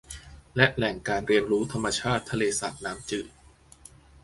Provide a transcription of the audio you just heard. และแหล่งการเรียนรู้ธรรมชาติทะเลสาปน้ำจืด